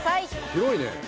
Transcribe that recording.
広いね。